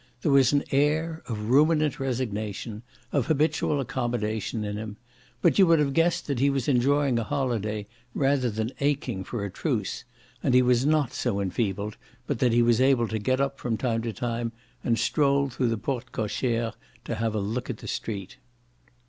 There was an air of ruminant resignation, of habitual accommodation in him; but you would have guessed that he was enjoying a holiday rather than aching for a truce, and he was not so enfeebled but that he was able to get up from time to time and stroll through the porte cochere to have a look at the street.